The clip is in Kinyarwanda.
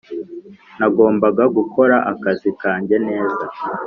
Nagombaga gukora akazi kanjye neza